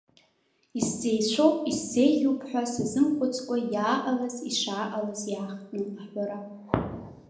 Исзеицәоуп, исзеиӷьуп ҳәа сазымхәыцкәа, иааҟалаз, ишааҟалаз иаахтны аҳәара.